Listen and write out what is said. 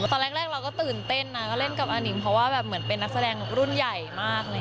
ตอนแรกเราก็ตื่นเต้นนะก็เล่นกับอานิงเพราะว่าแบบเหมือนเป็นนักแสดงรุ่นใหญ่มาก